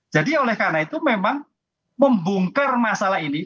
jadi oleh karena itu memang membungker masalah ini